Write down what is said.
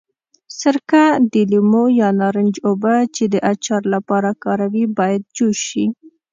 سرکه، د لیمو یا نارنج اوبه چې د اچار لپاره کاروي باید جوش شي.